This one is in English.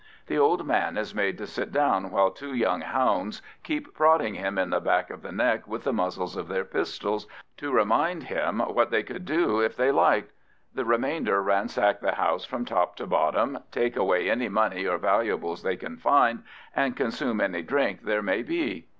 The old man is made to sit down while two young hounds keep prodding him in the back of the neck with the muzzles of their pistols, to remind him what they could do if they liked. The remainder ransack the house from top to bottom, take away any money or valuables they can find, and consume any drink there may be.